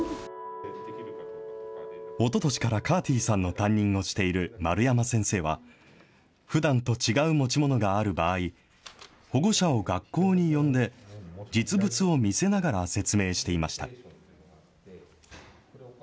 おととしからカーティーさんの担任をしている丸山先生は、ふだんと違う持ち物がある場合、保護者を学校に呼んで、実物を見せながら説明していました。